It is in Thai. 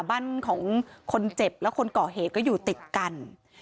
บ้านของคนเจ็บและคนก่อเหตุก็อยู่ติดกัน